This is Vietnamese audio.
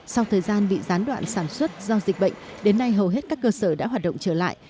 sau thời gian bị gián đoạn sản xuất do dịch bệnh đến nay hầu hết các cơ sở đã hoạt động trở lại